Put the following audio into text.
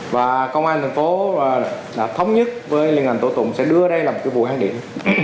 và công an thành phố đã thống nhất với liên lạc tổ tụng sẽ đưa đây là một cái vụ hãng điểm